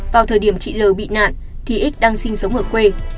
vào thời điểm chị l bị nạn thì x đang sinh sống ở quê